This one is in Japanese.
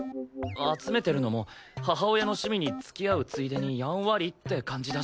集めてるのも母親の趣味に付き合うついでにやんわりって感じだし。